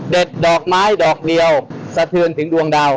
ดอกไม้ดอกเดียวสะเทือนถึงดวงดาว